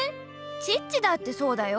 チッチだってそうだよ。